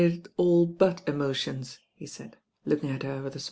"««d «11 but emotion.," he .aid. lookmg at her with a